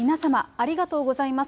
ありがとうございます。